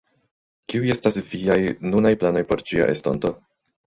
Kiuj estas viaj nunaj planoj por ĝia estonto?